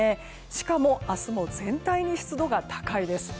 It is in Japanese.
しかも、明日も全体の湿度が高いです。